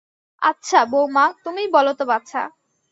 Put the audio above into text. আচ্ছা, বউমা তুমিই বলো তো, বাছা।